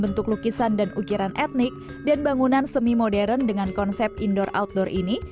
bentuk lukisan dan ukiran etnik dan bangunan semi modern dengan konsep indoor outdoor ini